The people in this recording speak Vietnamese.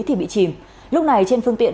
thì bị chìm lúc này trên phương tiện